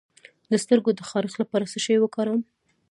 د سترګو د خارښ لپاره باید څه شی وکاروم؟